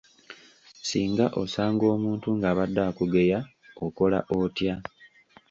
Singa osanga omuntu ng'abadde akugeya okola otya?